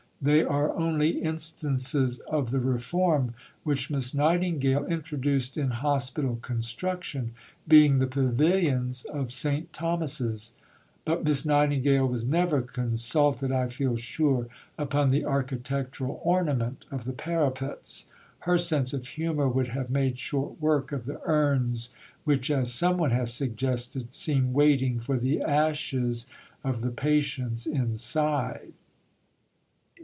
They are only instances of the reform which Miss Nightingale introduced in Hospital construction, being the "pavilions" of St. Thomas's. But Miss Nightingale was never consulted, I feel sure, upon the architectural ornament of the parapets. Her sense of humour would have made short work of the urns which, as some one has suggested, seem waiting for the ashes of the patients inside.